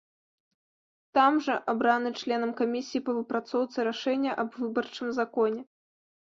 Там жа абраны членам камісіі па выпрацоўцы рашэння аб выбарчым законе.